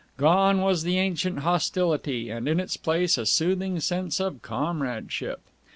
Gone was the ancient hostility, and in its place a soothing sense of comradeship.